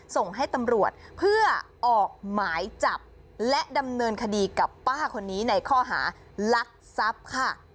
ส่งให้ตำรวจเพื่อออกหมายจับและดำเนินคดีกับป้าคนนี้ในข้อหารักทรัพย์ค่ะ